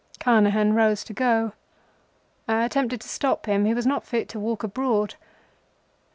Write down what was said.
Carnehan rose to go. I attempted to stop him. He was not fit to walk abroad.